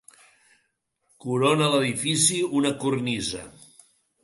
Corona l'edifici una cornisa.